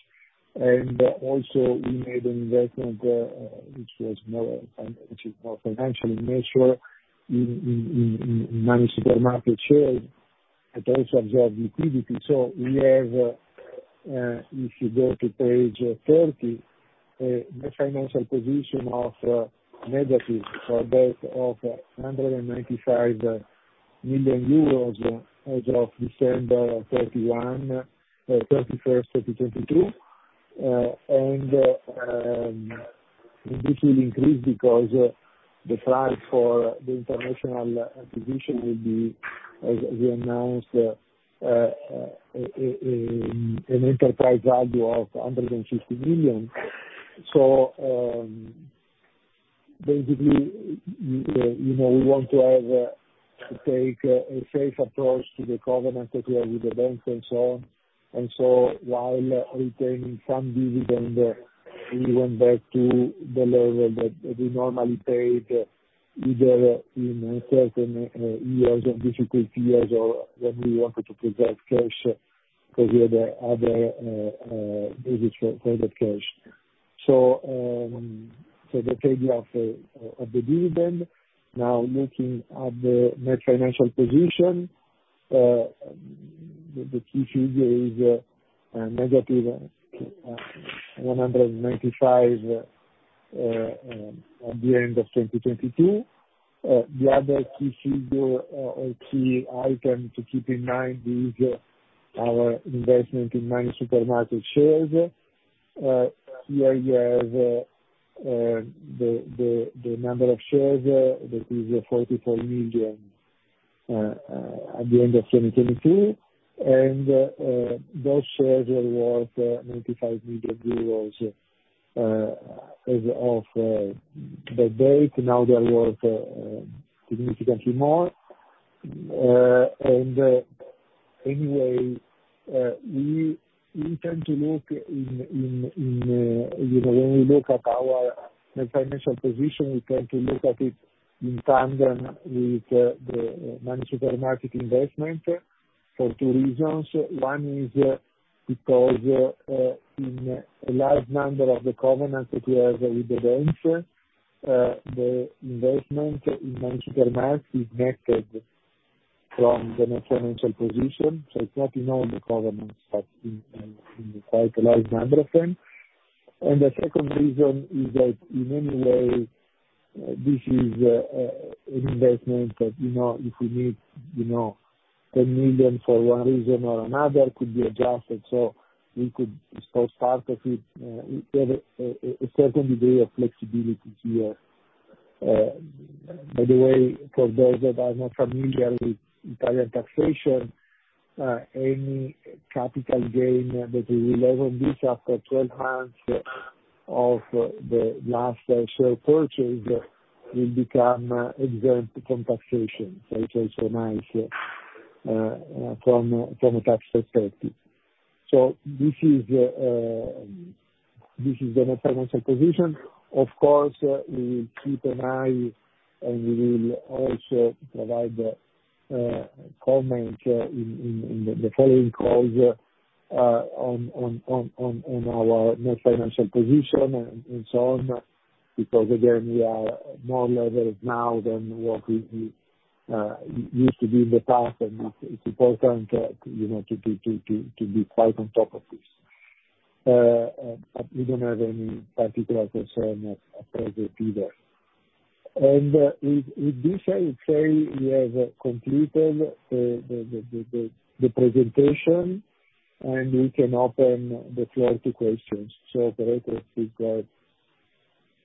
Also we made an investment which is more financially neutral in MoneySuperMarket share that also observed liquidity. If you go to page 30, the financial position of negative EUR 295 million as of December 31st, 2022. This will increase because the price for the international acquisition will be, as we announced, an enterprise value of 150 million. Basically, you know, we want to have take a safe approach to the covenant that we have with the bank and so on. While retaining some dividend, we went back to the level that we normally paid either in uncertain years or difficult years or when we wanted to preserve cash because we had other business credit cash. The pay day of the dividend. Now looking at the net financial position, the key figure is negative 195 at the end of 2022. The other key figure or key item to keep in mind is our investment in MoneySuperMarket shares. Here you have the number of shares, that is 44 million, at the end of 2022. Those shares are worth 95 million euros, as of that date. Now they are worth significantly more. Anyway, we tend to look in, you know, when we look at our net financial position, we tend to look at it in tandem with the MoneySuperMarket investment for two reasons. One is because, in a large number of the covenants that we have with the banks, the investment in MoneySuperMarket is netted from the net financial position. It's not in all the covenants, but in quite a large number of them. The second reason is that in any way, this is an investment that, you know, if we need, you know, 10 million for one reason or another, could be adjusted, so we could dispose part of it. We have a certain degree of flexibility here. By the way, for those that are not familiar with Italian taxation, any capital gain that we realize on this after 12 months of the last share purchase will become exempt from taxation. It's also nice from a tax perspective. This is the net financial position. Of course, we will keep an eye, and we will also provide comments in the following calls on our net financial position and so on, because again, we are more levered now than what we used to be in the past. It's important, you know, to be quite on top of this. We don't have any particular concern at present either. With this I say we have completed the presentation, and we can open the floor to questions. Operator, please go ahead.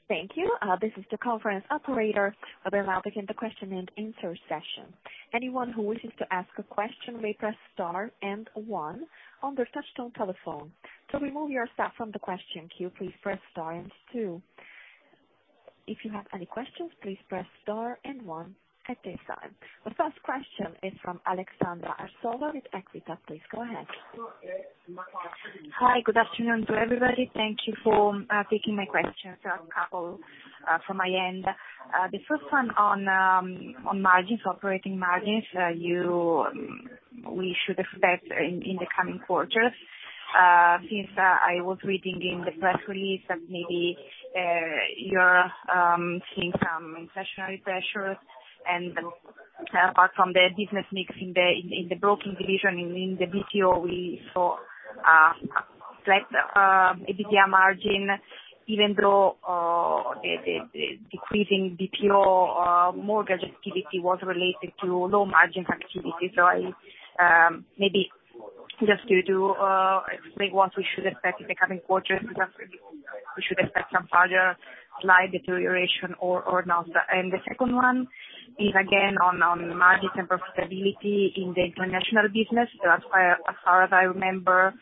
Thank you. This is the conference operator. I will now begin the question and answer session. Anyone who wishes to ask a question may press star and one on their touchtone telephone. To remove yourself from the question queue, please press star and two. If you have any questions, please press star and one at this time. The first question is from Alexandra Sosula with EQUITA. Please go ahead. Hi. Good afternoon to everybody. Thank you for taking my questions. I have a couple from my end. The first one on margins, operating margins, we should expect in the coming quarters, since I was reading in the press release that maybe you're seeing some inflationary pressures. Apart from the business mix in the broking division in the BPO, we saw a flat EBITDA margin, even though the decreasing BPO mortgage activity was related to low margin activity. I maybe just to explain what we should expect in the coming quarters, because we should expect some further slight deterioration or not. The second one is again on margins and profitability in the international business. As far as I remember,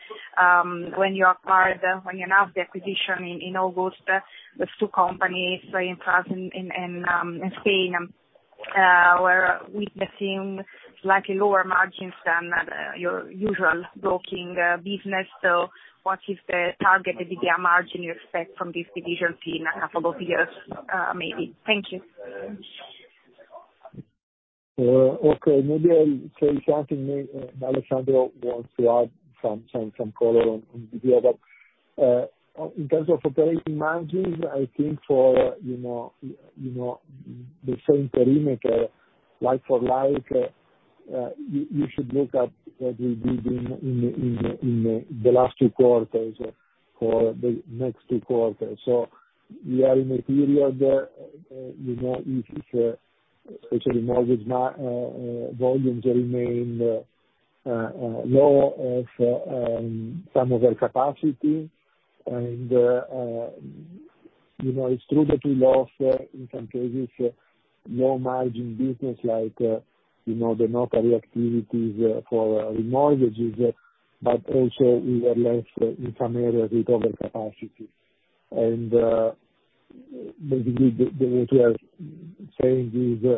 when you acquired, when you announced the acquisition in August, those two companies, in France and Spain, were with the same slightly lower margins than your usual broking business. What is the target EBITDA margin you expect from this division in a couple of years, maybe? Thank you. Okay, maybe I say something, Alessandro wants to add some color on the deal. In terms of operating margins, I think for, you know, the same perimeter like-for-like, you should look at what we did in the last two quarters for the next two quarters. We are in a period, you know, if especially mortgage volumes remain low of some of our capacity and, you know, it's true that we lost in some cases, low margin business like, you know, the notary activities for mortgages, but also we were less, in some areas, recover capacity. Maybe we then we are saying these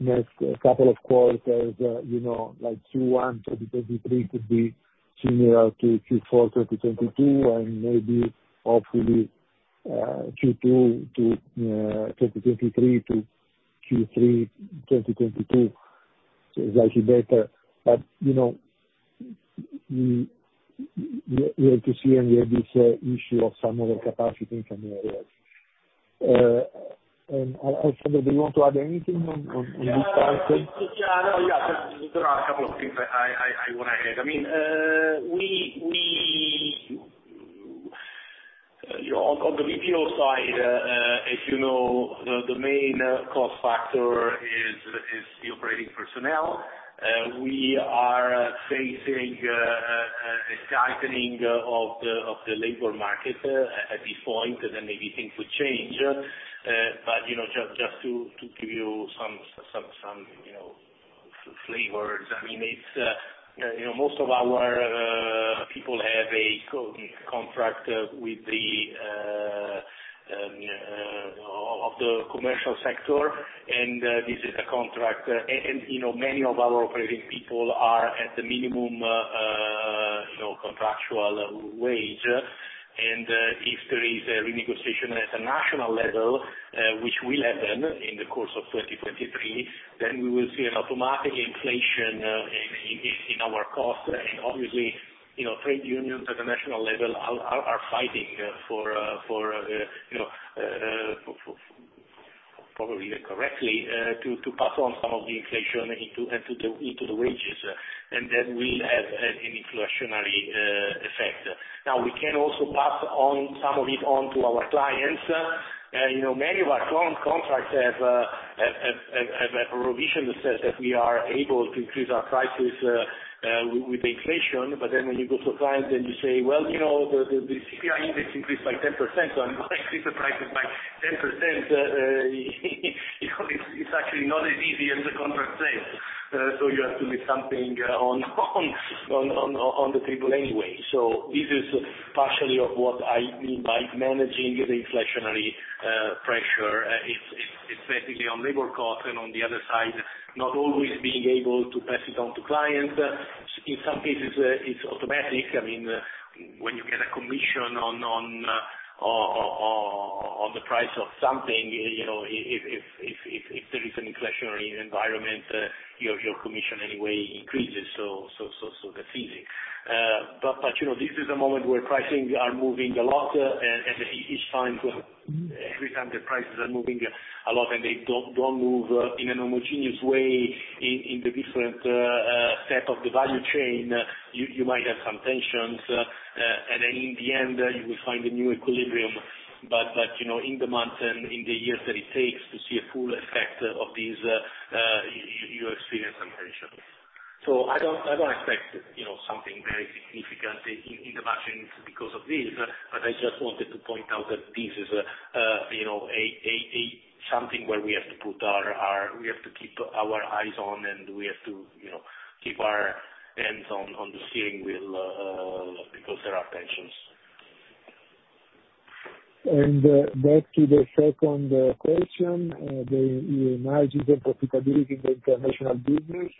next couple of quarters, you know, like Q1 2023 could be similar to Q4 2022, and maybe hopefully, Q2 2023 to Q3 2022, so slightly better. You know, we have to see, and we have this issue of some of the capacity in some areas. Alessandro Fracassi, do you want to add anything on this point? Yeah, no, yeah. There are a couple of things I wanna add. I mean, on the BPO side, as you know, the main cost factor is the operating personnel. We are facing a tightening of the labor market at this point, then maybe things will change. You know, just to give you some, you know, flavors, I mean, it's, you know, most of our people have a co-contract with the commercial sector and this is a contract. You know, many of our operating people are at the minimum, you know, contractual wage. If there is a renegotiation at a national level, which will happen in the course of 2023, then we will see an automatic inflation in our costs. Obviously, you know, trade unions at the national level are fighting for, you know, probably correctly, to pass on some of the inflation into the wages. And that will have an inflationary effect. We can also pass on some of it on to our clients. You know, many of our current contracts have a provision that says that we are able to increase our prices with inflation. When you go to a client and you say, "Well, you know, the CPI index increased by 10%, so I'm gonna increase the prices by 10%," you know, it's actually not as easy as the contract says. You have to leave something on the table anyway. This is partially of what I mean by managing the inflationary pressure. It's basically on labor cost, and on the other side, not always being able to pass it on to clients. In some cases, it's automatic. I mean, when you get a commission on the price of something, you know, if there is an inflationary environment, your commission anyway increases. That's easy. You know, this is a moment where pricing are moving a lot, and it's time to. Every time the prices are moving a lot and they don't move, in a homogeneous way in the different step of the value chain, you might have some tensions, and in the end you will find a new equilibrium. You know, in the months and in the years that it takes to see a full effect of these. You experience some tensions. I don't expect, you know, something very significant in the margins because of this, but I just wanted to point out that this is, you know, something where we have to keep our eyes on, and we have to, you know, keep our hands on the steering wheel, because there are tensions. Back to the second question, the margins and profitability in the international business.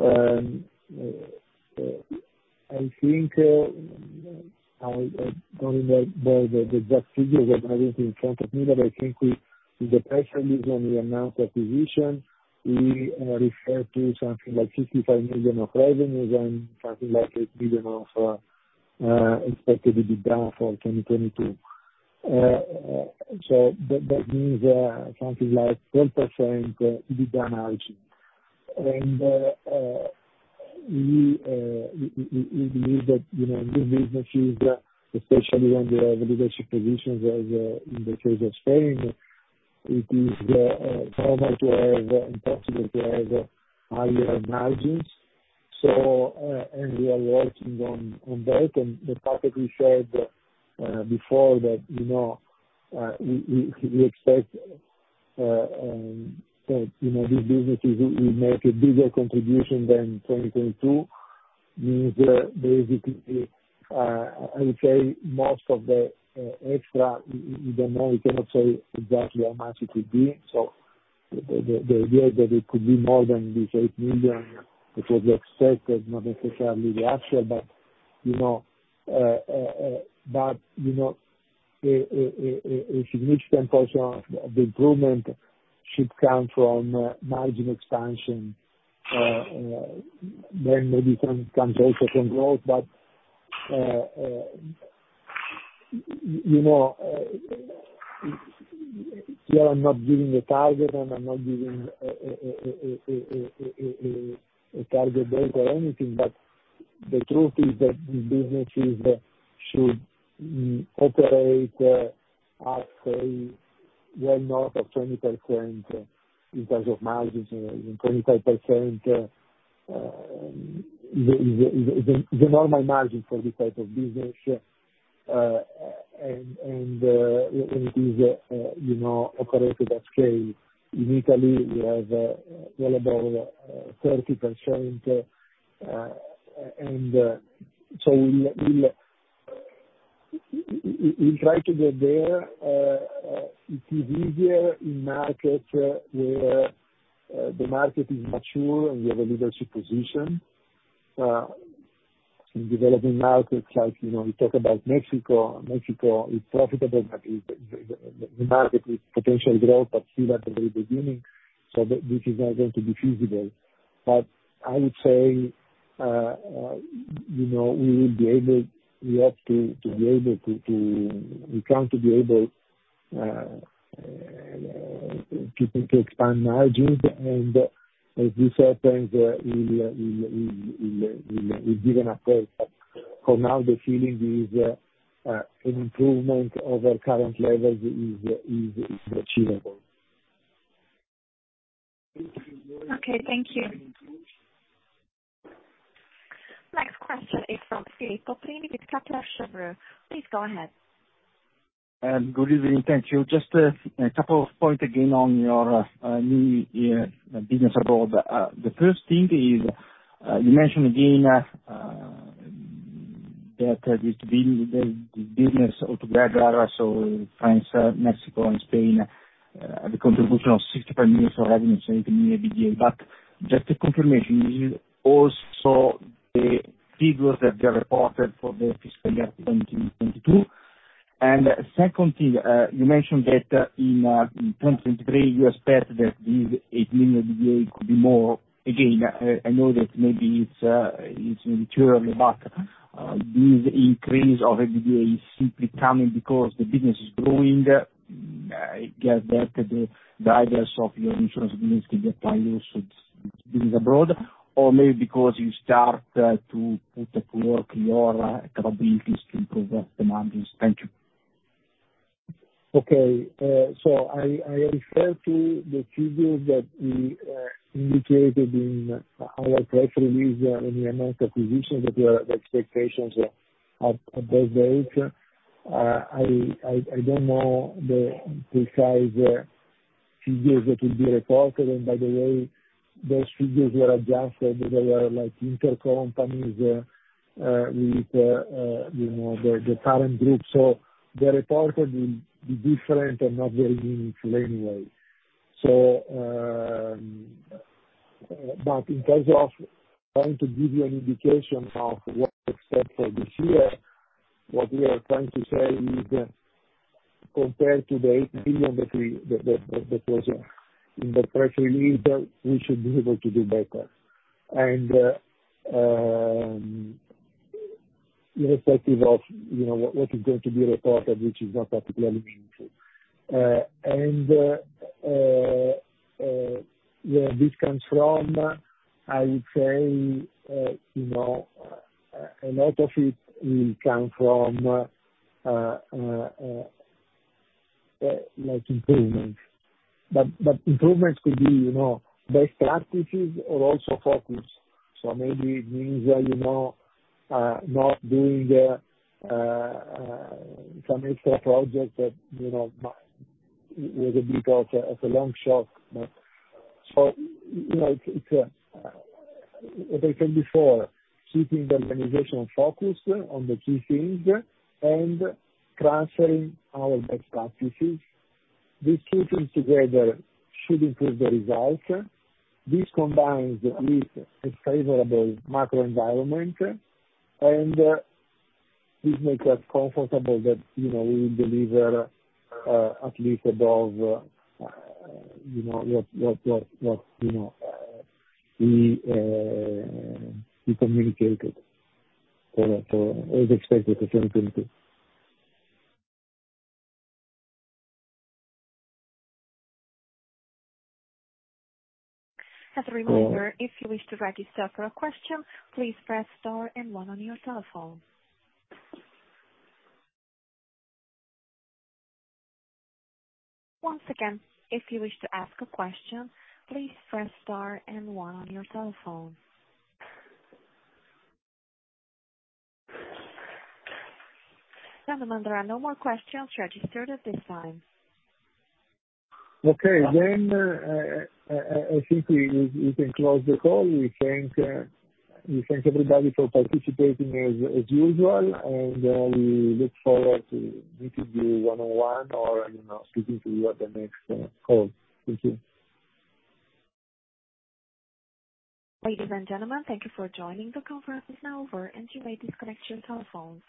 I think I don't have the exact figures. I have it in front of me, but I think we, with the press release when we announced acquisition, we referred to something like 55 million of revenues and something like 8 million of expected EBITDA for 2022. So that means something like 10% EBITDA margin. We believe that, you know, new businesses, especially on the leadership positions as in the case of Spain, it is somewhat where the impossible to have higher margins. We are working on that. The fact that we said before that, you know, we expect that, you know, these businesses will make a bigger contribution than 2022 means that basically, I would say most of the extra, we don't know, we cannot say exactly how much it will be. The idea that it could be more than this 8 million, which was expected, not necessarily the actual, but, you know, a significant portion of the improvement should come from margin expansion, then maybe some comes also from growth. You know, here I'm not giving a target, and I'm not giving a target date or anything, but the truth is that these businesses should operate at a well north of 20% in terms of margins, even 25% is the normal margin for this type of business. And, when it is, you know, operated at scale. In Italy we have well above 30%, and we'll try to get there. It is easier in markets where the market is mature, and we have a leadership position. In developing markets like, you know, we talk about Mexico. Mexico is profitable, but the market with potential growth, but still at the very beginning. This is not going to be feasible. I would say, you know, we would be able, we hope to be able to, we count to be able to expand margins. As this happens, we'll give an update. For now the feeling is an improvement over current levels is achievable. Okay, thank you. Next question is from Steve Copling with Kepler Cheuvreux. Please go ahead. Good evening. Thank you. Just a couple of points again on your new year business overall. The first thing is, you mentioned again that this being the business altogether, so France, Mexico and Spain, the contribution of 65 million for revenue, it can be a VGA. Just a confirmation, is it also the figures that you have reported for the fiscal year 2022? Second thing, you mentioned that in 2023 you expect that this 18 EVA could be more. Again, I know that maybe it's maybe too early, but this increase of EVA is simply coming because the business is growing. I get that the guidance of your insurance business could get higher should business abroad, or maybe because you start to put to work your capabilities to improve the margins. Thank you. Okay. I refer to the figures that we indicated in our press release in the announced acquisition that were the expectations at that date. I don't know the precise figures that will be reported. By the way, those figures were adjusted because they are like intercompanies, with, you know, the parent group. The reported will be different and not very meaningful anyway. In terms of trying to give you an indication of what to expect for this year, what we are trying to say is that compared to the 8 billion that was in the press release, we should be able to do better. Irrespective of, you know, what is going to be reported, which is not particularly meaningful. Where this comes from, I would say, you know, a lot of it will come from like improvements. Improvements could be, you know, best practices or also focus. Maybe it means that, you know, not doing some extra projects that, you know, was a bit of a, of a long shot. You know, it's, as I said before, keeping the organizational focus on the key things and transferring our best practices. These two things together should improve the results. This combines with a favorable macro environment, and this makes us comfortable that, you know, we will deliver at least above, you know what, what, you know, we communicated. As expected for 2022. As a reminder, if you wish to register for a question, please press star and one on your telephone. Once again, if you wish to ask a question, please press star and one on your telephone. Gentlemen, there are no more questions registered at this time. Okay. I think we can close the call. We thank everybody for participating as usual, and we look forward to meeting you one-on-one or, you know, speaking to you at the next call. Thank you. Ladies and gentlemen, thank you for joining. The conference is now over. You may disconnect your telephones.